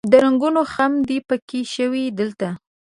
د رنګریز خم دې پیکه شوی دلته